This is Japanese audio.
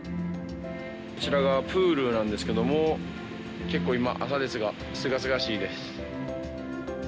こちらがプールなんですけども、結構今、朝ですが、すがすがしいです。